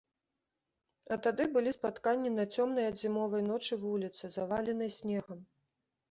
А тады былі спатканні на цёмнай ад зімовай ночы вуліцы, заваленай снегам.